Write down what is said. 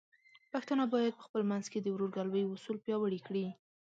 پښتانه بايد په خپل منځ کې د ورورګلوۍ اصول پیاوړي کړي.